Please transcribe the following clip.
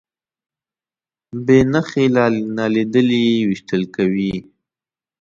بې نښې نالیدلي ویشتل کوي.